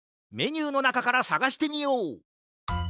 メニューのなかからさがしてみよう！